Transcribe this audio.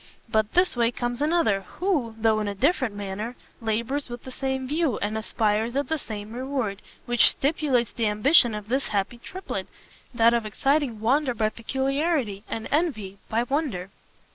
But this way comes another, who, though in a different manner, labours with the same view, and aspires at the same reward, which stimulate the ambition of this happy Triplet, that of exciting wonder by peculiarity, and envy by wonder."